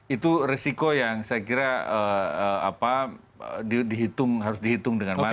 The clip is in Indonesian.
itu resiko yang saya kira harus dihitung dengan baik